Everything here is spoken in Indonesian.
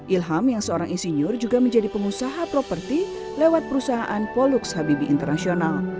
ilham yang seorang insinyur juga menjadi pengusaha properti lewat perusahaan polux habibi internasional